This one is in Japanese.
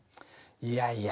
いやいや。